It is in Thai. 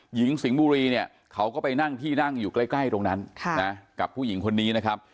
หญิงสิงห์บุรีเนี่ยเขาก็ไปนั่งที่นั่งอยู่ใกล้ตรงนั้นกับผู้หญิงคนนี้นะครับ